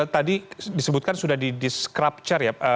tadi disebutkan sudah dideskrapcar ya